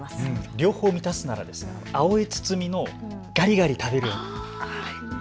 両方満たすなら青い包みのがりがり食べる。